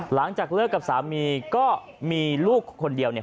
หลังจากเลิกกับสามีก็มีลูกคนเดียวเนี่ย